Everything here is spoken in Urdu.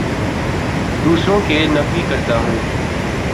دوسروں کے نفی کرتا ہوں